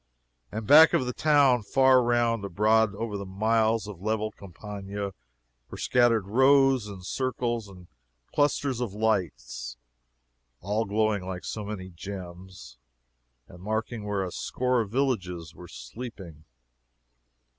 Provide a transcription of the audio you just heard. And back of the town, far around and abroad over the miles of level campagna, were scattered rows, and circles, and clusters of lights, all glowing like so many gems, and marking where a score of villages were sleeping.